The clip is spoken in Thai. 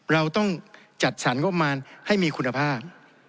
เราต้องจัดสรรงบมารให้มีคุณภาพ